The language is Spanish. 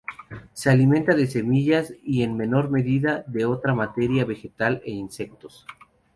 Se alimenta de semillas, y en menor medida de otra materia vegetal e insectos.